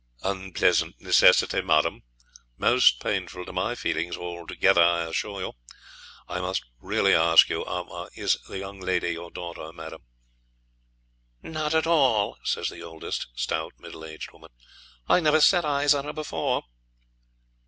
'Unpleasant necessity, madam, most painful to my feelings altogether, I assure you. I must really ask you ah is the young lady your daughter, madam?' 'Not at all,' says the oldest, stout, middle aged woman; 'I never set eyes on her before.'